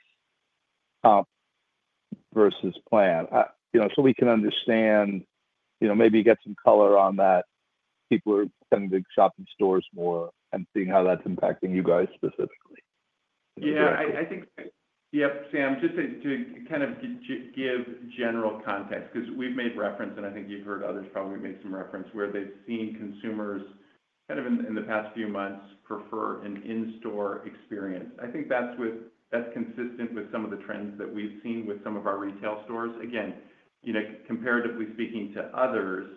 Comp versus plan? So we can understand. Maybe get some color on that. People are tending to shop in stores more and seeing how that's impacting you guys specifically. Yeah. I think, yep, Sam, just to kind of give general context because we've made reference, and I think you've heard others probably make some reference where they've seen consumers kind of in the past few months prefer an in-store experience. I think that's consistent with some of the trends that we've seen with some of our retail stores. Again. Comparatively speaking to others,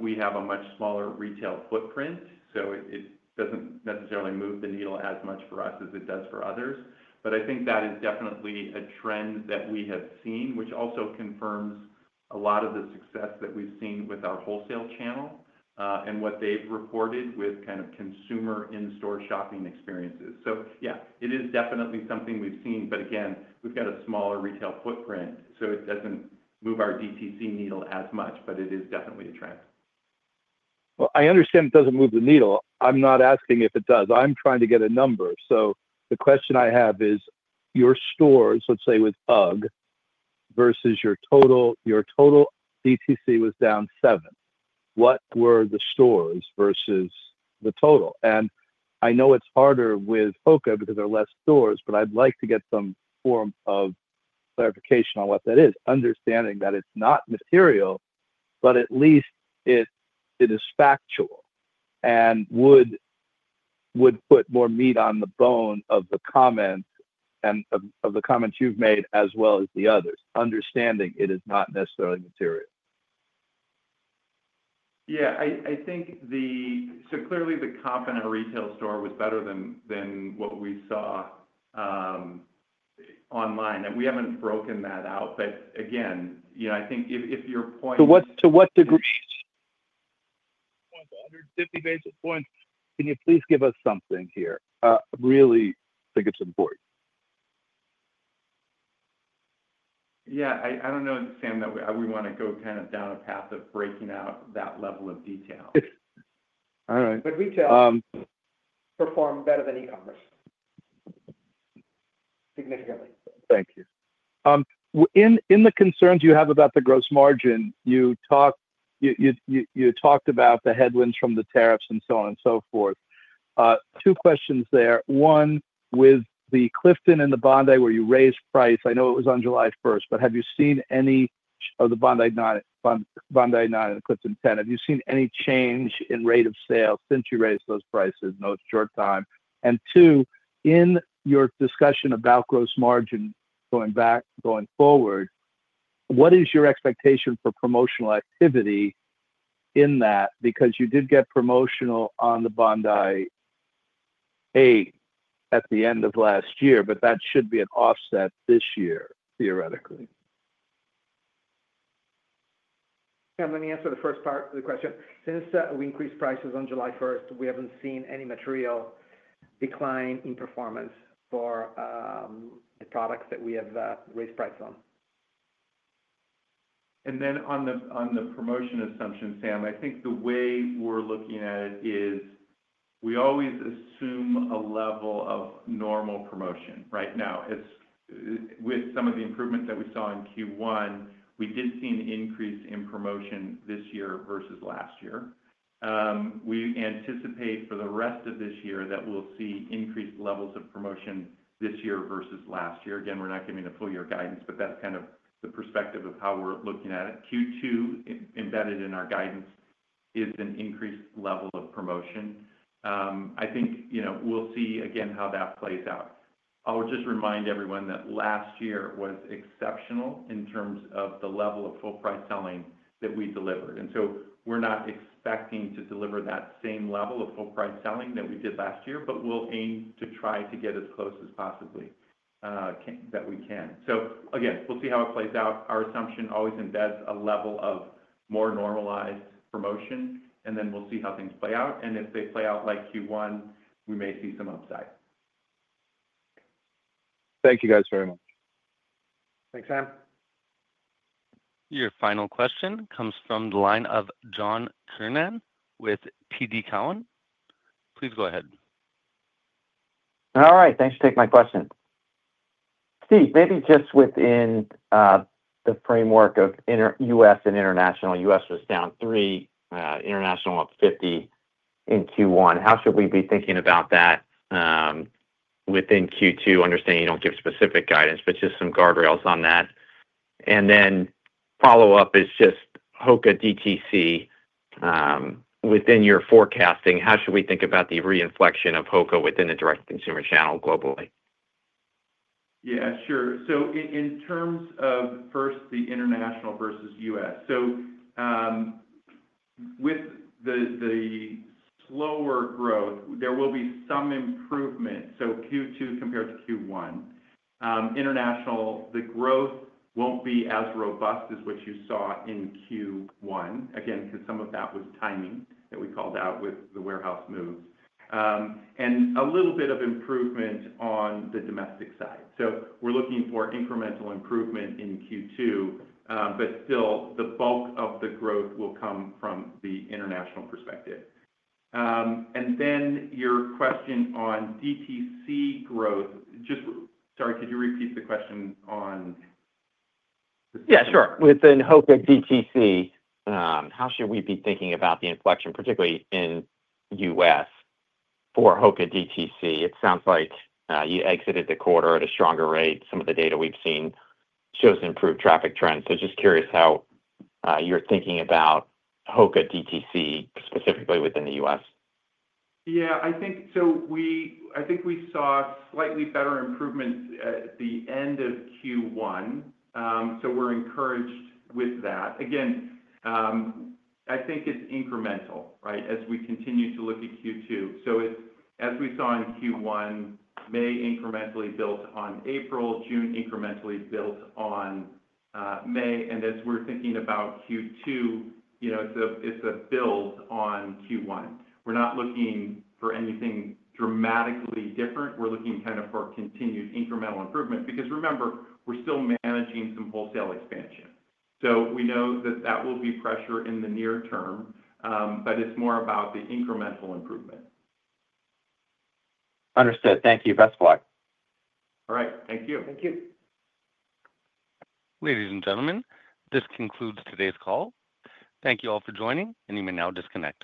we have a much smaller retail footprint, so it doesn't necessarily move the needle as much for us as it does for others. I think that is definitely a trend that we have seen, which also confirms a lot of the success that we've seen with our wholesale channel and what they've reported with kind of consumer in-store shopping experiences. Yeah, it is definitely something we've seen. Again, we've got a smaller retail footprint, so it doesn't move our DTC needle as much, but it is definitely a trend. I understand it doesn't move the needle. I'm not asking if it does. I'm trying to get a number. The question I have is your stores, let's say with UGG, versus your total. Your total DTC was down seven. What were the stores versus the total? I know it's harder with HOKA because there are fewer stores, but I'd like to get some form of clarification on what that is, understanding that it's not material, but at least it is factual and would put more meat on the bone of the comments you've made as well as the others, understanding it is not necessarily material. Yeah. Clearly, the comp in our retail store was better than what we saw online. We haven't broken that out. Again, I think if your point. To what degree. 150 basis points, can you please give us something here? Really think it's important. Yeah. I do not know, Sam, that we want to go kind of down a path of breaking out that level of detail. Is. All right. But retail performed better than e-commerce. Significantly. Thank you. In the concerns you have about the gross margin, you talked about the headwinds from the tariffs and so on and so forth. Two questions there. One, with the Clifton and the Bondi, where you raised price, I know it was on July 1st, but have you seen any of the Bondi 9 and Clifton 10? Have you seen any change in rate of sales since you raised those prices in the short time? And two, in your discussion about gross margin going forward, what is your expectation for promotional activity in that? Because you did get promotional on the Bondi 8 at the end of last year, but that should be an offset this year, theoretically. Let me answer the first part of the question. Since we increased prices on July 1st, we have not seen any material decline in performance for the products that we have raised price on. And then on the promotion assumption, Sam, I think the way we are looking at it is we always assume a level of normal promotion. Right now, with some of the improvements that we saw in Q1, we did see an increase in promotion this year versus last year. We anticipate for the rest of this year that we will see increased levels of promotion this year versus last year. Again, we are not giving a full year guidance, but that is kind of the perspective of how we are looking at it. Q2, embedded in our guidance, is an increased level of promotion. I think we will see again how that plays out. I will just remind everyone that last year was exceptional in terms of the level of full-price selling that we delivered. We are not expecting to deliver that same level of full-price selling that we did last year, but we will aim to try to get as close as possibly that we can. Again, we will see how it plays out. Our assumption always embeds a level of more normalized promotion, and then we will see how things play out. If they play out like Q1, we may see some upside. Thank you guys very much. Thanks, Sam. Your final question comes from the line of John Kernan with TD Cowen. Please go ahead. All right. Thanks for taking my question. Steve, maybe just within the framework of U.S. and international, U.S. was down 3, international up 50 in Q1. How should we be thinking about that within Q2? Understanding you do not give specific guidance, but just some guardrails on that. The follow-up is just HOKA DTC. Within your forecasting, how should we think about the reinflection of HOKA within the direct-to-consumer channel globally? Yeah, sure. In terms of first, the international versus U.S. With the slower growth, there will be some improvement. Q2 compared to Q1. International, the growth will not be as robust as what you saw in Q1. Again, because some of that was timing that we called out with the warehouse moves. A little bit of improvement on the domestic side. We are looking for incremental improvement in Q2. Still, the bulk of the growth will come from the international perspective. Your question on DTC growth, just sorry, could you repeat the question. Yeah, sure. Within HOKA DTC, how should we be thinking about the inflection, particularly in the US for HOKA DTC? It sounds like you exited the quarter at a stronger rate. Some of the data we have seen shows improved traffic trends. Just curious how you are thinking about HOKA DTC specifically within the U.S. Yeah. I think we saw slightly better improvement at the end of Q1, so we are encouraged with that. Again, I think it is incremental, right, as we continue to look at Q2. As we saw in Q1, May incrementally built on April, June incrementally built on May. As we are thinking about Q2, it is a build on Q1. We are not looking for anything dramatically different. We are looking for continued incremental improvement. Remember, we are still managing some wholesale expansion, so we know that will be pressure in the near term, but it is more about the incremental improvement. Understood. Thank you. Best of luck. All right. Thank you. Thank you. Ladies and gentlemen, this concludes today's call. Thank you all for joining, and you may now disconnect.